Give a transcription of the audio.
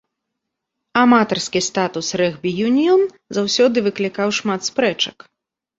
Аматарскі статус рэгбі-юніён заўсёды выклікаў шмат спрэчак.